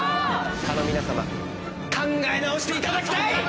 蚊の皆さま考え直していただきたい！